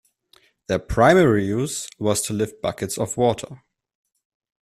Their primary use was to lift buckets of water.